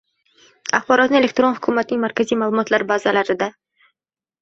Axborotni elektron hukumatning markaziy ma’lumotlar bazalarida